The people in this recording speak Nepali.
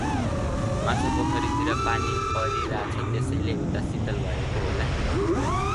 माछापोखरी तिर पानी परिराछ, त्यसैले उता शीतल भएको होला नि।